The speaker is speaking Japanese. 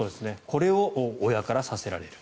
これを親からさせられる。